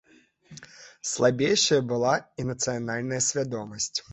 Слабейшая была і нацыянальна свядомасць.